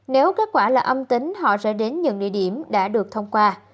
nếu kết quả là âm tính họ sẽ đến những địa điểm đã được thông qua